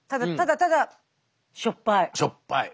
いやしょっぱい。